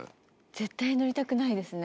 絶対乗りたくないですね